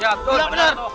kamu sama saja pencuri